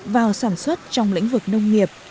vào sản xuất trong lĩnh vực nông nghiệp